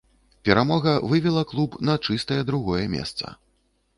Перамога вывела клуб на чыстае другое месца.